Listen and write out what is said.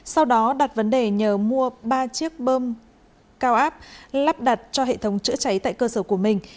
sau đó đặt vấn đề nhờ mua ba chiếc bơm cao áp lắp đặt cho hệ thống chữa cháy tại cơ sở của mình